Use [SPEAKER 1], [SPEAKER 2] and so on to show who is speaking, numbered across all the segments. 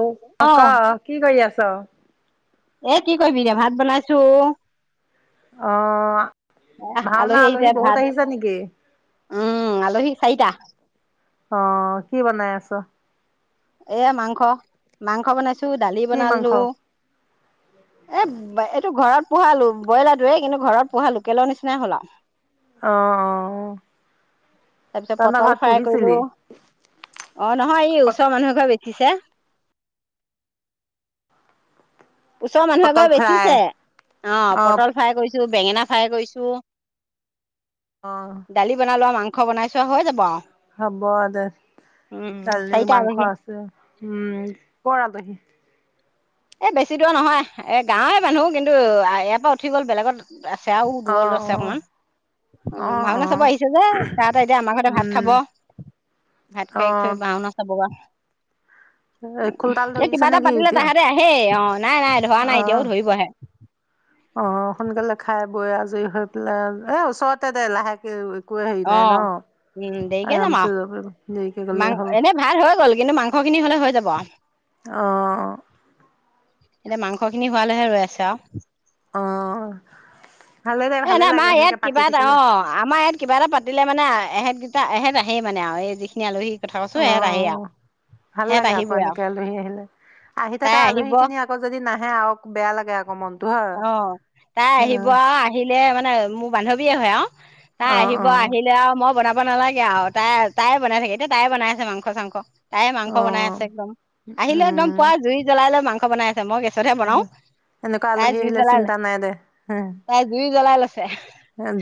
[SPEAKER 1] অ' ক' কি কৰি আছ? ত।
[SPEAKER 2] এ কি কৰিবি এতিয়া ভাত বনাইছোঁ।
[SPEAKER 1] অ' ভাওনা
[SPEAKER 2] আহিছে
[SPEAKER 1] আলহী বহুত
[SPEAKER 2] ভাত
[SPEAKER 1] আহিছে নেকি?
[SPEAKER 2] উম আলহী চাইটা।
[SPEAKER 1] অ' কি বনাই আছ?
[SPEAKER 2] এয়া মাংস, মাংস বনাইছ টো দালি
[SPEAKER 1] কি মাংস
[SPEAKER 2] বনালো। এব, এটো ঘৰত পোহালো ব্ৰয়ইলাৰটোৱে এই কিন্তু ঘৰত পোহাৰ লোকেলৰ নিচিনা হ'ল আও।
[SPEAKER 1] অহ' অ'হ।
[SPEAKER 2] তাৰ পিছত পটল ফ্ৰাই কৰিলোঁ। অ' নহয় এই ওচৰৰ মানুহে এঘৰে বেচি। হিছে। ওচৰ মানুহ
[SPEAKER 1] পটল
[SPEAKER 2] এঘয়ে
[SPEAKER 1] ফ্ৰাই
[SPEAKER 2] বেচিছে। অ' পটল ফ্ৰাই কইছো। বেঙেনা ফ্ৰাই কৰিছোঁ।
[SPEAKER 1] অ
[SPEAKER 2] দালি বনালো আও মাং মাংস বনাইছোঁ হৈ যাব আও।
[SPEAKER 1] হ'ব দে। দালি,
[SPEAKER 2] চাৰিটা
[SPEAKER 1] মাংস
[SPEAKER 2] আলহী
[SPEAKER 1] আছে। উম ক'ৰ আলহী?
[SPEAKER 2] এ বেছি দূৰৰ নহয়। এ গাওঁৱে মানুহ কিন্তু ইয়াৰ পৰা উঠি গ'ল বেলেগত। আছে আও
[SPEAKER 1] অ অ
[SPEAKER 2] দূৰলৈছে অকণমান
[SPEAKER 1] অ
[SPEAKER 2] অ'হ
[SPEAKER 1] অ
[SPEAKER 2] ভাওনা চাব আহিছে যে সেয়াতে এতিয়া আমাৰ ঘৰতে ভাত
[SPEAKER 1] উম
[SPEAKER 2] খাব ভাত খাই কৰি ভাওনা চাবগে আও।
[SPEAKER 1] এ খোল-তাল ধৰিছে নে কি এতিয়া?
[SPEAKER 2] এ অ'। নাই নাই ধৰা নাই এতিয়াও,
[SPEAKER 1] অ
[SPEAKER 2] ধৰিব আহে।
[SPEAKER 1] অ সোনকালে খাই বৈ আজৰি হৈ পেলাই এ ওচৰতে দে লাহেকে একোৱে হেৰি
[SPEAKER 2] অ
[SPEAKER 1] নাই ন
[SPEAKER 2] উম দেৰিকে যাম
[SPEAKER 1] আৰামছে যাব পাৰিম দেৰিকে
[SPEAKER 2] আৰু
[SPEAKER 1] গ'লেই
[SPEAKER 2] মাং
[SPEAKER 1] হ'ল
[SPEAKER 2] এনে ভাল হৈ গ'ল কিন্তু মাংস খিনি হ'লে হৈ যাব। [unintelligible]
[SPEAKER 1] অ
[SPEAKER 2] এতিয়া মাংস খিনি হোৱালৈহে ৰৈ আছে
[SPEAKER 1] অঁ
[SPEAKER 2] এ ন আমাৰ ইয়াত কিবা এটা অ আমাৰ ইয়াত কিবা এটা পাতি দিলে মানে এহেতকেইটা এহেত আহে মানে আৰু এই যিখিনি আলহী কথা কৈছো
[SPEAKER 1] অ
[SPEAKER 2] এহেত আহেই আৰু
[SPEAKER 1] ভাল
[SPEAKER 2] সেহেত
[SPEAKER 1] লাগে আকৌ
[SPEAKER 2] আহিবই আৰু
[SPEAKER 1] এনেকে আলহী আহিলে আহি
[SPEAKER 2] তাই
[SPEAKER 1] থকা আলহী
[SPEAKER 2] আহিব
[SPEAKER 1] খিনি আকৌ যদি নাহে হা আওক বেয়া লাগে আক মন
[SPEAKER 2] অ তাই আহিব আৰু আহি প্লে মানে মোৰ বান্ধৱীয়ে হয় আওঞ তাই আহিব
[SPEAKER 1] অ
[SPEAKER 2] আহিলে আৰু মই বনাব বনাব নালাগে আও তাই তাই বনাই থাকে এতিয়া তাই বনাই আছে মাংস চাংস তাই মাংস
[SPEAKER 1] অ
[SPEAKER 2] বনাই আছে একদম আহিলে একদম
[SPEAKER 1] উম
[SPEAKER 2] পুৱা জুই জ্বলাই লৈ মাংস মাংস বনাই মই গেছতহে বনাও
[SPEAKER 1] হি
[SPEAKER 2] জুই
[SPEAKER 1] আহিলে
[SPEAKER 2] জ্বলাই
[SPEAKER 1] চিন্তা নাই দে হে
[SPEAKER 2] তাই জুই জ্বলাই লৈছে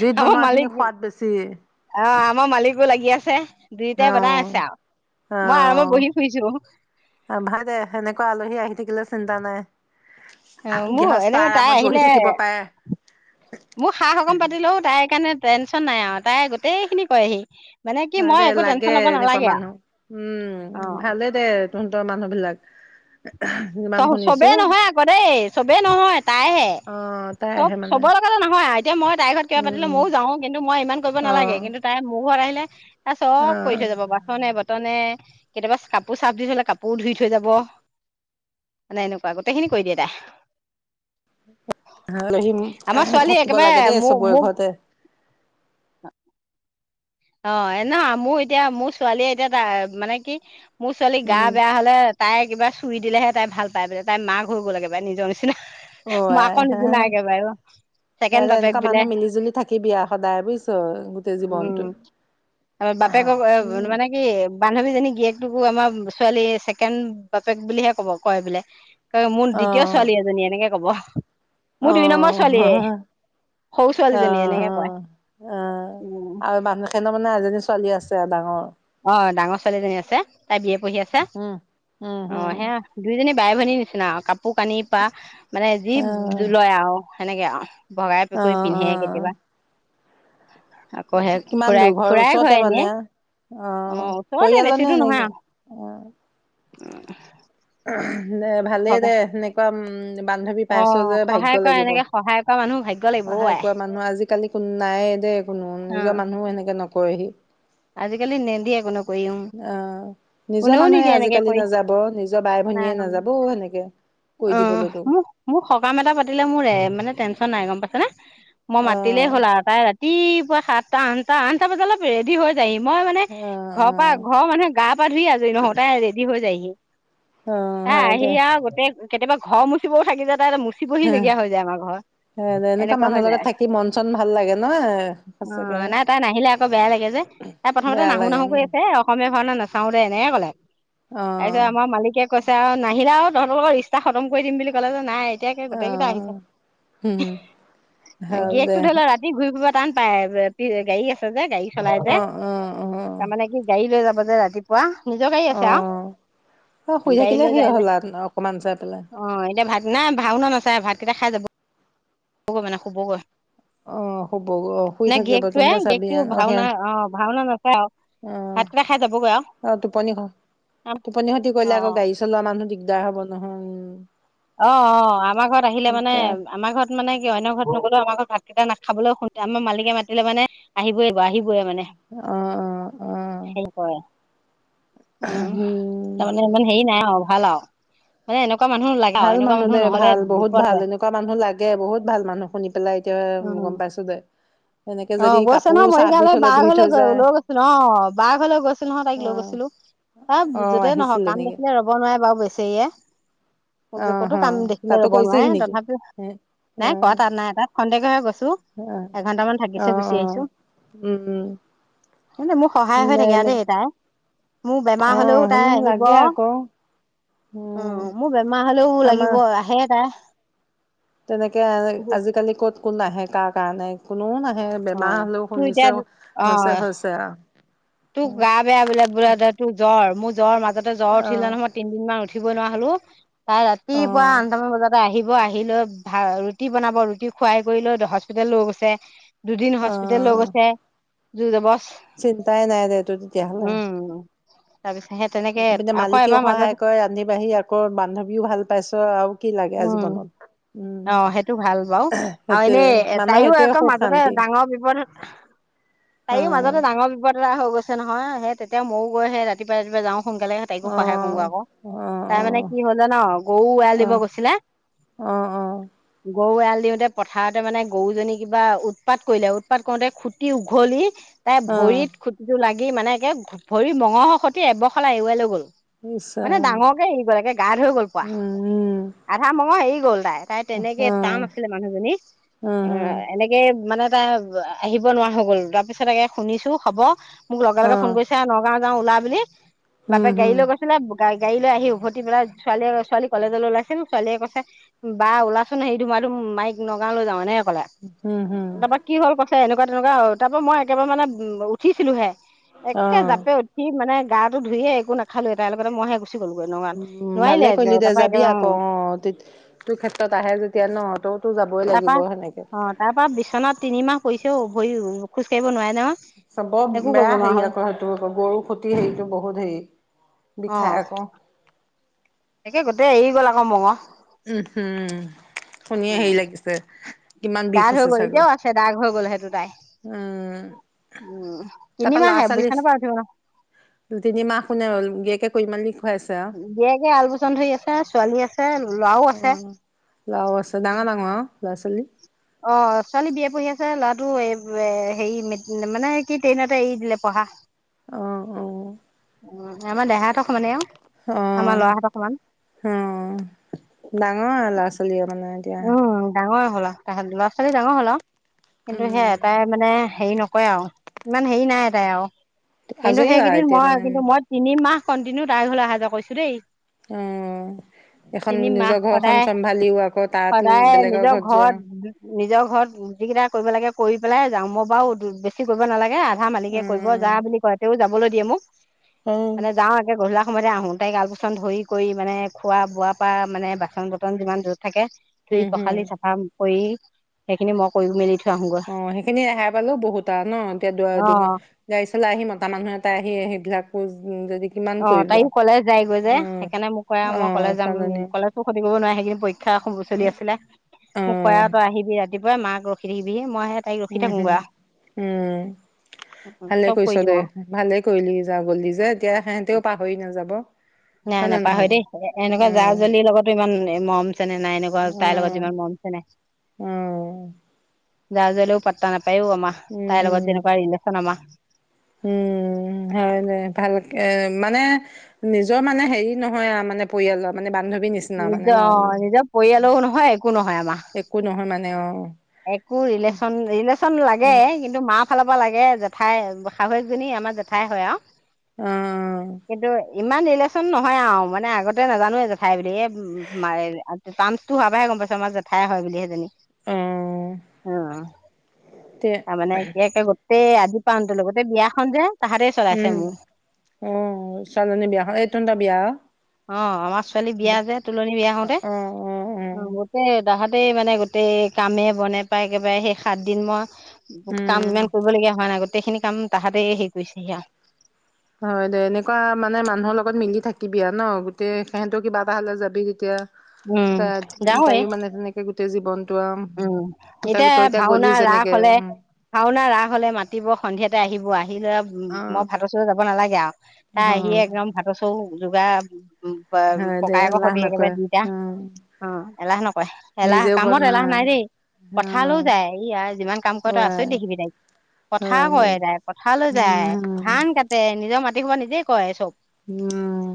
[SPEAKER 1] জুইত
[SPEAKER 2] আমাৰ
[SPEAKER 1] বনোৱা খিনি
[SPEAKER 2] মালিক
[SPEAKER 1] সোৱাদ বেছি
[SPEAKER 2] অ আমাৰ মালিকো লাগি আছে
[SPEAKER 1] অ
[SPEAKER 2] দুইটাই বনাই আছে আৰু
[SPEAKER 1] অ
[SPEAKER 2] মই আৰামত বহি ফুৰিছো
[SPEAKER 1] অ ভাল দে সেনকা আলহী আহি থাকিলে চিন্তা নাই
[SPEAKER 2] অ মোৰ এনে
[SPEAKER 1] গৃহস্থ
[SPEAKER 2] তাই
[SPEAKER 1] আৰামত
[SPEAKER 2] আহিলে
[SPEAKER 1] বহি থাকিব পাৰে
[SPEAKER 2] মোৰ সাহ সকাম পাতিলেও তাই তাই কাৰণে টেনচন নাই আৰু তাই গোটেই খিনি কৰেহি মানে কি
[SPEAKER 1] হয়
[SPEAKER 2] মই
[SPEAKER 1] দে
[SPEAKER 2] একো
[SPEAKER 1] লাগে
[SPEAKER 2] টেনচন ল'ব
[SPEAKER 1] এনেকুৱা
[SPEAKER 2] নালাগে আৰু
[SPEAKER 1] মানুহ উম ভালে দে তহঁতৰ মানুহ বিলাক [unintelligible]
[SPEAKER 2] ত
[SPEAKER 1] যিমান শুনিছো
[SPEAKER 2] চবেই নহয় আকৌ দেই চবেই নহয় তাইহে
[SPEAKER 1] অ তাই
[SPEAKER 2] চব
[SPEAKER 1] আহে মানে
[SPEAKER 2] চবৰ লগতে নহয় এতিয়া মই তাইৰ ঘৰত কিবা
[SPEAKER 1] উম
[SPEAKER 2] পাতিলে
[SPEAKER 1] উম
[SPEAKER 2] ময়ো যাওঁ কিন্তু মই ইমান কৰিব
[SPEAKER 1] অ
[SPEAKER 2] নালাগে কিন্তু তাই মোৰ ঘৰত আহি পে আৰু
[SPEAKER 1] অ
[SPEAKER 2] চব কৰি থৈ যাব বাচনে বৰ্তনে কেতিয়াবা কাপোৰ চাফ দি থলে কাপোৰো ধুই থৈ যাব মানে এনেকুৱা গোটেইখিনি কৰি দিয়ে তাই
[SPEAKER 1] আলহি ম
[SPEAKER 2] আমাৰ ছোৱালী
[SPEAKER 1] থাকিব
[SPEAKER 2] একেবাৰে
[SPEAKER 1] লাগে দেই
[SPEAKER 2] মোক
[SPEAKER 1] চবৰে
[SPEAKER 2] মোক
[SPEAKER 1] ঘৰতে
[SPEAKER 2] অ নহ মোৰ এতিয়া মোৰ ছোৱালীয়ে এতিয়া মানে কি মোৰ ছোৱালী গা
[SPEAKER 1] উম
[SPEAKER 2] বেয়া হলে তাই কিবা চুই দিলে তাই ভাল পায় বোলে তাই মাক হৈ গ'ল একেবাৰে নিজ নিচিনা
[SPEAKER 1] অ
[SPEAKER 2] মাকৰ নিচিনা একেবাৰে অ
[SPEAKER 1] আই
[SPEAKER 2] ছেকেণ্ড বাপেক
[SPEAKER 1] এনেকুৱা
[SPEAKER 2] বোলে
[SPEAKER 1] মানুহ মিলি জুলি থাকিবি আও সদায় বুজিছ গোটেই জীৱনটো
[SPEAKER 2] আ বাপেকগল
[SPEAKER 1] উম
[SPEAKER 2] মানে কি বান্ধৱীজনী গীয়েকটোকো আমাৰ ছোৱালী ছেকেণ্ড বাপেক বুলিহে কব কয় বোলে। মোৰ দ্বিতীয় ছোৱালী এজনী এনেকে কব মোৰ দুই নম্বৰ ছোৱালীয়ে সৰু ছোৱালীজনী এনেকে কয়
[SPEAKER 1] অহ-অহ-অহ
[SPEAKER 2] উম
[SPEAKER 1] আৰু মানুজ সিহঁতৰ মানে এজনী ছোৱালী আছে আৰু ডাঙৰ
[SPEAKER 2] অ ডাঙৰ ছোৱালীজনী আছে। তাই বিএ পঢ়ি আছে
[SPEAKER 1] উম
[SPEAKER 2] অ
[SPEAKER 1] উম-হুম।
[SPEAKER 2] সেয়া দুইজনী বাই ভনীৰ নিচিনা আও কাপোৰ কানি পা। মানে যি জো লৈ আও। সেনেকাঁ আৰু। বগাই পকৰি
[SPEAKER 1] অ-অ-অ
[SPEAKER 2] পিন্ধে কেতিয়াবা। আকৌ সে
[SPEAKER 1] কিমান দূৰ ঘৰৰ
[SPEAKER 2] খুৰাই-খুৰাই ঘৰে
[SPEAKER 1] ওচৰতে মানে।
[SPEAKER 2] এনে। অ, সেইটো ওচৰতে
[SPEAKER 1] পৰিয়ালৰ নে
[SPEAKER 2] বেছি দূৰ
[SPEAKER 1] এনেকে
[SPEAKER 2] নহয় আৰ উম,
[SPEAKER 1] অ [inaudible] দে ভালেই দে সেনেকুৱা উম, বান্ধৱী
[SPEAKER 2] অ
[SPEAKER 1] পাইছ যে ভাগ্য
[SPEAKER 2] সহায় কৰা
[SPEAKER 1] লাগিব,
[SPEAKER 2] এনেকে সহায় কৰা মানুহ ভাগ্য লাগিব অ
[SPEAKER 1] সহায়
[SPEAKER 2] আই
[SPEAKER 1] কোৱা মানুহ আজিকালি কোনো নায়ে দেই কোনো
[SPEAKER 2] অ
[SPEAKER 1] নিজৰ মানুহো সেনেকে নক কৰেহি
[SPEAKER 2] আজিকালি নেদিয়ে কোনেো কৰি, উম
[SPEAKER 1] অ নিজৰ
[SPEAKER 2] কোনেও
[SPEAKER 1] মানুহে
[SPEAKER 2] নিদিয়ে এনেকে
[SPEAKER 1] আজিকালি
[SPEAKER 2] কৰি।
[SPEAKER 1] নাযাব নিজৰ বাই
[SPEAKER 2] ন,
[SPEAKER 1] ভনীয়ে নাযাব সেনেকে। কৈ
[SPEAKER 2] অ,
[SPEAKER 1] দিবলৈ তোক
[SPEAKER 2] মোক-মোক সকাম এটা পাতিলে মোৰ মানে তেচন নাই গম পাইছ নে। মই মাতিলেই হ'ল আৰু তাই ৰাত ৰাতিপুৱ সাতটা আঠটা-আঠটা বজাত অলপ ৰেডি হৈ যায়হি মই মানে ঘৰ পৰা
[SPEAKER 1] অ-অ-অ।
[SPEAKER 2] ঘৰৰ মানুহে গা পা ধুই আছো নহতোই ৰেডি হৈ যায়হি।
[SPEAKER 1] অ
[SPEAKER 2] এ
[SPEAKER 1] হয় দে
[SPEAKER 2] আহি আ গোটেই কেতিয়াবা ঘৰ মুচিবও থাকি যায় তে চি বহি লগগীয়া হৈ যায় আমাৰ ঘৰ
[SPEAKER 1] হয় দে
[SPEAKER 2] এনেকুৱা হৈ
[SPEAKER 1] মানুহৰ লগত
[SPEAKER 2] যায়
[SPEAKER 1] থাকি মন চন ভাল লাগে ন
[SPEAKER 2] অ
[SPEAKER 1] সঁচাকে
[SPEAKER 2] নাই তাই নাহিলে আকৌ বেয়া লাগে যে প্ৰথমতে
[SPEAKER 1] বেয়া লাগে
[SPEAKER 2] নাহো-নাহো
[SPEAKER 1] উম
[SPEAKER 2] কৰি আছে অসমীয়া ভাওনা নাচাও দে এনেকে কলে
[SPEAKER 1] অ
[SPEAKER 2] তাৰপিছত আমাৰ মালিকে কৈছে আৰু নাহিলে আৰু তহঁতৰ লগত [unintelligible] খতম কৰি দিম বুলি ক'লে যে নাই এতিয়াকে
[SPEAKER 1] অ
[SPEAKER 2] গোটেই কেইটা আহিছে
[SPEAKER 1] উম হওক
[SPEAKER 2] কেক
[SPEAKER 1] দে
[SPEAKER 2] টো ধৰি লোৱা ৰাতি ঘূৰি ফু টান পায় [unintelligible] গাড়ী আছে যে গা়ড়ী চলাইজে
[SPEAKER 1] অ অ অ
[SPEAKER 2] তামানে কি গাড়ী লৈ যাব বজে ৰাতিপুৱা নিজৰ গাড়ী আছে আৰু
[SPEAKER 1] অ', অ', শুই
[SPEAKER 2] গাড়ী
[SPEAKER 1] থাকিলে
[SPEAKER 2] লৈ
[SPEAKER 1] সে
[SPEAKER 2] যায় যে
[SPEAKER 1] হ'ল আৰু অকমান চাই পেলাই।
[SPEAKER 2] অ এতিয়া ভাত নাই ভাওনা নাচাই ভাতকেইটা খাই যাবগৈ [inaudible] মানে শুবগৈ
[SPEAKER 1] অ', হ'ব অ', শুই
[SPEAKER 2] নে
[SPEAKER 1] থাকে ব ত
[SPEAKER 2] গিৰিয়েকটোৱে
[SPEAKER 1] চাবি
[SPEAKER 2] গিৰিয়েকটো
[SPEAKER 1] অ
[SPEAKER 2] ভাওনা
[SPEAKER 1] সেন
[SPEAKER 2] ভাওনা নাচায় আৰু
[SPEAKER 1] অ',
[SPEAKER 2] ভাতকেইটা খাই যাবগৈ
[SPEAKER 1] অ', টোপনি
[SPEAKER 2] আৰু
[SPEAKER 1] টোপনি খতি
[SPEAKER 2] অ
[SPEAKER 1] কৰিলে আকৌ গাড়ী চলোৱা মানুহ দিগদাৰ হ'ব নহয়।
[SPEAKER 2] অ', অ', আমাৰ ঘৰত আহিলে মানে,
[SPEAKER 1] দিগদাৰ
[SPEAKER 2] আমাৰ ঘৰত মানে অন্য ঘৰত নগ'লেও আমাৰ ঘৰত ভাত কেইটা নাখাবও শ আমাৰ মালিকে মাতিলে মানে আহিবই আহিবই মানে
[SPEAKER 1] অ অ
[SPEAKER 2] সে কৰে। উম', তাৰমানে ইমান হেই নাই অ'। ভাল আৰু মানে এনেকুৱা মানুহ লাগে আৰু
[SPEAKER 1] ভাল
[SPEAKER 2] এনেকুৱা
[SPEAKER 1] মানুহ দে
[SPEAKER 2] নহ'লে
[SPEAKER 1] ভাল বহুত
[SPEAKER 2] বিপদ
[SPEAKER 1] ভাল
[SPEAKER 2] হয়।
[SPEAKER 1] এনেকুৱা মানুহ লাগে বহুত ভাল মানুহ শুনি পেলাই এতিয়া
[SPEAKER 2] উম,
[SPEAKER 1] গম পাইছো দে। এনেকে
[SPEAKER 2] অ',
[SPEAKER 1] যদি
[SPEAKER 2] গৈছে
[SPEAKER 1] কাপোৰ
[SPEAKER 2] নহয়,
[SPEAKER 1] চাফ দি
[SPEAKER 2] মৰিগাওঁলৈ
[SPEAKER 1] থলে
[SPEAKER 2] বহ
[SPEAKER 1] ধুই
[SPEAKER 2] ঘৰলৈ
[SPEAKER 1] থৈ
[SPEAKER 2] গৈ
[SPEAKER 1] যায়
[SPEAKER 2] লৈ গৈছিলো অ', বা ঘৰলৈ গৈছিলো নহয়
[SPEAKER 1] অ
[SPEAKER 2] তাইক লৈ গৈছিলো, ত
[SPEAKER 1] অ
[SPEAKER 2] যতেই নহয়
[SPEAKER 1] আহিছিলে
[SPEAKER 2] কাম
[SPEAKER 1] নেকি
[SPEAKER 2] দেখিলে ৰ'ব নোৱাৰে বাৰু বেছি সেয়ে
[SPEAKER 1] অ
[SPEAKER 2] য',
[SPEAKER 1] হ
[SPEAKER 2] কতো কাম দেখিলে
[SPEAKER 1] তাতো
[SPEAKER 2] ৰব
[SPEAKER 1] কৰিছেহি
[SPEAKER 2] নোৱাৰে
[SPEAKER 1] নেকি
[SPEAKER 2] তথাপিও
[SPEAKER 1] অ
[SPEAKER 2] নাই কোৱা তাত নাই তাত খন্দেকে হৈ গৈছো
[SPEAKER 1] অ
[SPEAKER 2] এঘন্টামান
[SPEAKER 1] অ
[SPEAKER 2] থাকিল
[SPEAKER 1] অ
[SPEAKER 2] আহিছো,
[SPEAKER 1] উম উম
[SPEAKER 2] কিন্ত মোৰ সহায় হৈ থাকে আও
[SPEAKER 1] এনে
[SPEAKER 2] দেই তাই মোৰ বেমাৰ
[SPEAKER 1] অ
[SPEAKER 2] হলেও তাই
[SPEAKER 1] সেনে
[SPEAKER 2] আহিব
[SPEAKER 1] লাগে আকৌ উম
[SPEAKER 2] অ', মোৰ বেমাৰ হলেও
[SPEAKER 1] আমাৰ
[SPEAKER 2] লাগিব আহে তাই।
[SPEAKER 1] তেনেকে আজিকালি ক'ত কোন আহে কাৰ কাৰণে কোনো না হে, বেমাৰ
[SPEAKER 2] অ'
[SPEAKER 1] হ'লেও
[SPEAKER 2] তোৰ এতিয়া
[SPEAKER 1] শুনিছোঁ
[SPEAKER 2] অ'
[SPEAKER 1] হৈছে হৈছে আও।
[SPEAKER 2] তোৰ গা বেয়া বোলে বোলে তোৰ জ্বৰ মোৰ জ্বৰ মাজতে জ্বৰ উঠিলে নহয় তিনদিন মান উঠিবই নোৱাৰ হলো, তাই
[SPEAKER 1] অ
[SPEAKER 2] ৰাতিপুৱা
[SPEAKER 1] অ
[SPEAKER 2] আঠটামান বজাত আহিব, আহি লৈ ভা ৰুটি বনাব ৰুটি খুৱাই কৰি লৈ হস্পিতেল লৈ গৈছে দুদিন
[SPEAKER 1] অ
[SPEAKER 2] হস্পিতেল লৈ গৈছে। জোৰ দবছ।
[SPEAKER 1] [unintelligible] তাই নাই দে তোৰ তেতিয়াহলে।
[SPEAKER 2] উম তাৰপিছত সেই তেনেকে
[SPEAKER 1] পিনে
[SPEAKER 2] আকৌ
[SPEAKER 1] মালিকেও
[SPEAKER 2] এবাৰ মাজত
[SPEAKER 1] সহায় কৰে ৰান্ধি বাঢ়ি আকৌ বান্ধৱীও ভাল পাইছ আৰু কি লাগে আৰু
[SPEAKER 2] উম
[SPEAKER 1] জীৱনত উম
[SPEAKER 2] অ সেইটো ভাল বাৰু আৰু
[SPEAKER 1] সেইটোয়ে
[SPEAKER 2] এনেই
[SPEAKER 1] মানুহৰ
[SPEAKER 2] তাইও
[SPEAKER 1] সেইটোয়ে
[SPEAKER 2] আকৌ
[SPEAKER 1] সুখ
[SPEAKER 2] মাজতে
[SPEAKER 1] শান্তি
[SPEAKER 2] ডাঙৰ বিপদ
[SPEAKER 1] অ
[SPEAKER 2] তাইও মাজতে ডাঙৰ বিপদ এটা হৈ গৈছে ছে নহয় সেই তেতিয়া ময়ো গৈ সে ৰাতিপুৱা যেতিয়া যাওঁ সোনকালে তাইকো
[SPEAKER 1] অ
[SPEAKER 2] সহায় কৰোংগে আক
[SPEAKER 1] অ
[SPEAKER 2] তাই
[SPEAKER 1] অ
[SPEAKER 2] মানে কি হল জানা গৰু এৰাল
[SPEAKER 1] অ
[SPEAKER 2] দিব গৈছ ছিলে
[SPEAKER 1] অ অ
[SPEAKER 2] গৰু এৰাল দিওঁতে পথাৰতে মানে গৰুজনী কিবা উৎপাত কৰিলে উৎপাত কৰোতে খুটি উঘলি তাই
[SPEAKER 1] অ
[SPEAKER 2] ভৰিত খুটিটো লাগ মানে একে ভৰি মঙৰ সতি এবৰ খালা এৰুৱাই লৈ গ'লো।।
[SPEAKER 1] ইছ
[SPEAKER 2] মানে
[SPEAKER 1] ৰাম
[SPEAKER 2] ডাঙৰকে এৰি গ'ল একে গাত হৈ গ'ল পুৱা
[SPEAKER 1] উম
[SPEAKER 2] আধা মঙহ এৰি গ'ল তাই তাই
[SPEAKER 1] উম
[SPEAKER 2] তেনেকে
[SPEAKER 1] অ
[SPEAKER 2] টান আছিলে মানুহজনী
[SPEAKER 1] উম
[SPEAKER 2] এ
[SPEAKER 1] হম
[SPEAKER 2] এনেকে মানে তাই আহিব নোৱাৰা হৈ গ'ল তাৰপিছত তাকে শুনিছো হব মোক লগে
[SPEAKER 1] অ
[SPEAKER 2] লগে ফোন কৰিছে নগাঁৱত ওলা বুলি
[SPEAKER 1] উম
[SPEAKER 2] বাপেক গাড়ী
[SPEAKER 1] হম
[SPEAKER 2] লৈ গৈছিলে গা গাড়ীলৈ আহি উভতি পেলাই ছোৱালী এ ছোৱালী কলেজলৈ ওলাইছিল ছোৱালীয়ে কৈছে বা ওলাচোন হেৰি ধুমা ধুম মাইক নগাঁও লৈ যাওঁ নে।
[SPEAKER 1] উম হম
[SPEAKER 2] তাপা কি হ'ল ক ত এনকা তেনকা আও তাপা মই একেবাৰে মানে উঠিছিলোঁহে একে
[SPEAKER 1] অ
[SPEAKER 2] জাপে উঠি মানে গাটো ধুইে একোনাখালো এ তাই লগতে মই হে চি গ'লগৈ নৰল নোৱাৰিলে তা পা এক অ
[SPEAKER 1] হেইটোত টো ক্ষেত্ৰত আহে যেতিয়া ন। হেটোত
[SPEAKER 2] তাপা অ তাপা বিচনাত তিনিমাহ পইছে ও ভৰি খোজ কাঢ়িব নোৱাৰে ন।
[SPEAKER 1] চবে বেয়া হেৰি আকৌ সেইটো আকৌ গৰু ফুটি হেৰিতটো বহুত হেৰি বিষাই আকৌ
[SPEAKER 2] তাকে গোটেই এৰি গ'ল আক মঙহ
[SPEAKER 1] উম হুম শুনিয়ে হেৰি
[SPEAKER 2] উম
[SPEAKER 1] লাগি গৈছে কিমান বিষ
[SPEAKER 2] দাগ হৈ
[SPEAKER 1] হৈছে
[SPEAKER 2] গ'ল
[SPEAKER 1] চাগৈ
[SPEAKER 2] এতিয়াও আছে দাগ হৈ গ'ল সেইটো তাই
[SPEAKER 1] উম
[SPEAKER 2] উম
[SPEAKER 1] তাপা ল'ৰা
[SPEAKER 2] তিনিমাহে
[SPEAKER 1] ছোৱালী
[SPEAKER 2] বিচনাৰ পৰা উঠিব নোৱাৰা
[SPEAKER 1] তিনিমাহ শুনে হ'ল গীয়েকে কৰি মেলি খুৱাইছে আৰু
[SPEAKER 2] বিয়ৈকে আলবোচন ধৰি আছে ছোৱালী আছে ল'ৰাও
[SPEAKER 1] অ'
[SPEAKER 2] আছে
[SPEAKER 1] ল অচ ডাঙৰ-ডাঙৰ আৰু ল'ৰা ছোৱালী।
[SPEAKER 2] অ ছোৱালী বিয়া পঢ়ি আছে ল'ৰাটো হেৰি মানে কি ট্ৰেইনতে এৰি দিলে পঢ়া।
[SPEAKER 1] অহ অ'।
[SPEAKER 2] উ আমাৰ দেহাতো সমানে আও
[SPEAKER 1] অহ উম ডাঙৰ আও ল'ৰা ছোৱালী মানে এতিয়া।
[SPEAKER 2] হলা তেহেত লৰা ছোৱালী ডাঙৰ হ'ল আও। কিন্তু সেয়াই
[SPEAKER 1] উম
[SPEAKER 2] এটাই মানে। হেৰি নকয়, আৰু ইমান হেৰি নাই
[SPEAKER 1] আজৰি আৰু এতিয়া মানে
[SPEAKER 2] [unintelligible] কণ্টিনিউ তাই ঘৰলৈ আহা যোৱা কৰিছো দেই।
[SPEAKER 1] অ এখন
[SPEAKER 2] তিনি মাহ
[SPEAKER 1] নিজৰ ঘৰখন
[SPEAKER 2] সদায়
[SPEAKER 1] চম্ভালিও আকৌ তাত
[SPEAKER 2] সদায়
[SPEAKER 1] বেলেগৰ
[SPEAKER 2] নিজৰ
[SPEAKER 1] ঘৰত যোৱা।
[SPEAKER 2] নিজৰ ঘৰত যিকেইটা কৰিব লাগে, কৰি পেলাই যাওঁ মই বাৰু বেছি কৰিব নালাগে। আধা মালিকে কৰিব, যা
[SPEAKER 1] উম
[SPEAKER 2] বুলি কয় তেওঁ যাবলৈ। দিয়ে মোক।
[SPEAKER 1] উম
[SPEAKER 2] মানে যাওঁ একে ঘধূলা। সময়তে আহোঁ, তাইক আলপচন ধৰি কৰি মানে খোৱা বোৱা পৰা মানে বাচন বৰ্তন যিমান যত। থাকে ধুই
[SPEAKER 1] উম হুম
[SPEAKER 2] পখালি চাফা। কৰি সেইখিনি মই কৰি মেলি থই।
[SPEAKER 1] অ সেইখিনি ৰেহাই পালো বহুত আৰু ন,
[SPEAKER 2] অ
[SPEAKER 1] এতিয়া গাড়ী চলাই আহি মতা মানুহ এটা আহি সেইবিলাক উম যদি। কিমান
[SPEAKER 2] অ
[SPEAKER 1] কৰিব
[SPEAKER 2] তাই কলেজ যাইগৈ যে সেইকাৰণে মোক ক
[SPEAKER 1] উম
[SPEAKER 2] আৰু
[SPEAKER 1] অ
[SPEAKER 2] মই কলে যাম
[SPEAKER 1] চালনী
[SPEAKER 2] কলেজো ক্ষতি কৰিব নোৱি সেই কিনি পৰীক্ষা চলি আছিলে
[SPEAKER 1] অ
[SPEAKER 2] মোক ক আৰু তই আহিবি ৰাতিপুৱা দূপৰীয়া মাক গখৰিবিয়ে।
[SPEAKER 1] উম হম উম ভালে
[SPEAKER 2] চব কৰি
[SPEAKER 1] কৰিছ
[SPEAKER 2] দিওঁ
[SPEAKER 1] দে,
[SPEAKER 2] আৰু
[SPEAKER 1] ভালে কৰিলি যা গলি যে এতিয়া সেহতেও। পাহৰি নাযাব।
[SPEAKER 2] নাই
[SPEAKER 1] হয় নে
[SPEAKER 2] নাই পাহৰি
[SPEAKER 1] নহয়
[SPEAKER 2] দেই এ এনেকুৱা
[SPEAKER 1] উম
[SPEAKER 2] জা-জলিৰ লগতো ইমান নে মম চেনে নাই এনেকুৱা তাইৰ লগত যিমান
[SPEAKER 1] উম
[SPEAKER 2] মৰম চেনেহ।
[SPEAKER 1] উম
[SPEAKER 2] জা জলিও পাত্তা নাপ পাই আমা
[SPEAKER 1] উম
[SPEAKER 2] তাইৰ লগত
[SPEAKER 1] হম
[SPEAKER 2] যেনেকোৱা ৰিলেশ্বন আমা।
[SPEAKER 1] উম, হয় ন' ভালকে এ মানে নিজৰ মানে হেৰি নহয় আৰু মানে পৰিয়ালৰ মানে বান্ধৱ
[SPEAKER 2] নিজৰ অ', নিজৰ পৰিয়ালও নহয় একো নহয় আমা।
[SPEAKER 1] একো নহয় মানে অ'।
[SPEAKER 2] একো ৰিলেশ্বন, ৰিলেশ্বন লাগে কিন্তু মা ফালৰ পৰা লাগে জেঠাই শাহুয়েকজনী আমাৰ জেঠাই হয় আও।
[SPEAKER 1] অহ।
[SPEAKER 2] ইমান ৰিলেশ্যন নহয় আও, মানে আগতে নাজানোৱেই জেঠাই বুলি, এ মাৰে যে তনষ্টো হোৱাৰ পৰাহে গম পাইছো, আমাৰ জেঠাই হয় বুলি সেইজনী।
[SPEAKER 1] অঁ।
[SPEAKER 2] অঁহ। তাৰমানে একে একে টেই আদি পৰা অন্তলৈ গোটেই বিয়াখন যে তাহাঁতেই চলাইছে
[SPEAKER 1] উম
[SPEAKER 2] মোৰ
[SPEAKER 1] অ ছোৱালীজনী বিয়াখন এই তন্দা বিয়া আও।
[SPEAKER 2] অ আমাৰ ছোৱালী বিয়া যে তোলনি বিয়া হওঁতে অ গোতেই তাহঁত গোটেই মানে গোটেই কামে বনে পায় একেবাৰে সেই সাত দিন মই কাম
[SPEAKER 1] উম
[SPEAKER 2] ইমান কৰিবলগীয়া হয় নাই গ গোটেইখিনি কাম তাহাঁতে হেই কৰিছে সি আৰু।
[SPEAKER 1] হয় দে এনেকুৱা মানে মানুহৰ লগত মিলি থাকিবি আৰু ন গোটেই সিহঁতৰ কিবা এটা হলে যাবি তেতিয়া।
[SPEAKER 2] উম
[SPEAKER 1] ত
[SPEAKER 2] গাঁওৱে।
[SPEAKER 1] তাইও মানে তেনেকে তে জীৱন
[SPEAKER 2] উম, এতিয়া ভাওনা, ৰাস
[SPEAKER 1] যেনেকে
[SPEAKER 2] হলে,
[SPEAKER 1] উম
[SPEAKER 2] ভাওনা, ৰাস হলে মাতিব, সন্ধিয়াতে আহিব, আ আহিল লৈ
[SPEAKER 1] অ
[SPEAKER 2] মই ভাতৰ চৌ যাব নালাগে আও, তাই
[SPEAKER 1] অ
[SPEAKER 2] আহিয়ে একদম ভাতৰ চৌ যোগাৰ
[SPEAKER 1] হয় দে
[SPEAKER 2] ককায়েকৰ
[SPEAKER 1] এলাহ
[SPEAKER 2] সতি একেবাৰে
[SPEAKER 1] নকৰে
[SPEAKER 2] দুইটা
[SPEAKER 1] অ
[SPEAKER 2] অ এলাহে নকয় এলাহ
[SPEAKER 1] নিজেও
[SPEAKER 2] কামত
[SPEAKER 1] বনা
[SPEAKER 2] এলাহ নাই দেই
[SPEAKER 1] অ
[SPEAKER 2] পথাৰলৈ যায় ই আৰু যিমান কাম কৰে তই আচৰিত
[SPEAKER 1] হয়
[SPEAKER 2] দেখিবি তাইক পথাৰ
[SPEAKER 1] হয় দে
[SPEAKER 2] কৰে তাই পথাৰলৈ
[SPEAKER 1] উম
[SPEAKER 2] যায় ধান কাটে নিজৰ মা টি খোপা নিজেই কৰে চব।
[SPEAKER 1] উম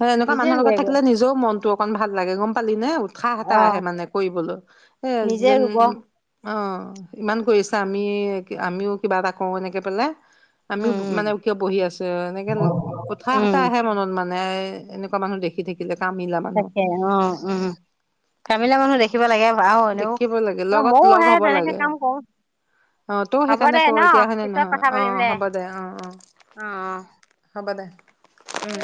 [SPEAKER 1] হে এনেকুৱা
[SPEAKER 2] নিজে
[SPEAKER 1] মানুহৰ লগত
[SPEAKER 2] ৰুৱেগৈ
[SPEAKER 1] থাকিলে নিজেও মনতটো অকন ভাল লাগে গম পালি নে। খাহ এটা
[SPEAKER 2] অ
[SPEAKER 1] আহে মানে ক ব'ল, এ
[SPEAKER 2] নিজে
[SPEAKER 1] যেন
[SPEAKER 2] ৰুব
[SPEAKER 1] অ ইমান কৰিছা আমি আমিও কিবা এটা কৰওঁ এনেকে পেলাই। আমিও
[SPEAKER 2] উম উম
[SPEAKER 1] মানে কিয় বহি আছে এনেকে। কথা এটা
[SPEAKER 2] উম
[SPEAKER 1] আহে মনত মানে। মানে এনেকুৱা মানুহ দেখি থাকিলে কামিলা মানুহ
[SPEAKER 2] তাকে অ উম, কামিলা মানুহ দেখ খিব লাগে বাৰু হলেও
[SPEAKER 1] দেখিব লাগে লগত
[SPEAKER 2] ময়ো
[SPEAKER 1] লগ
[SPEAKER 2] সে
[SPEAKER 1] হব
[SPEAKER 2] তেনেকে
[SPEAKER 1] লাগে।
[SPEAKER 2] কাম কৰোঁ,
[SPEAKER 1] অ তইও
[SPEAKER 2] হব
[SPEAKER 1] সেইকাৰণে
[SPEAKER 2] দে
[SPEAKER 1] ক
[SPEAKER 2] ন,
[SPEAKER 1] এতিয়া হয় নে
[SPEAKER 2] পিছত
[SPEAKER 1] নহয়
[SPEAKER 2] কথা
[SPEAKER 1] অ
[SPEAKER 2] পাতিম দে।
[SPEAKER 1] হ'ব অ অ
[SPEAKER 2] অঁ
[SPEAKER 1] হ'ব দে।
[SPEAKER 2] উম।